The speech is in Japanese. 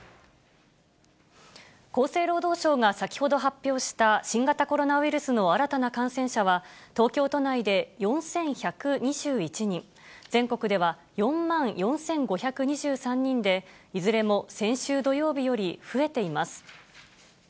厚生労働省が先ほど発表した、新型コロナウイルスの新たな感染者は、東京都内で４１２１人、全国では４万４５２３人で、いずれも先週土曜日より増えています。